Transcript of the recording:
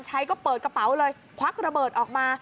ก็เปิดกระเป๋าเลยควักระเบิดออกมา